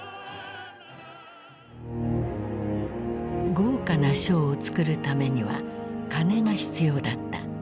豪華なショーを作るためには金が必要だった。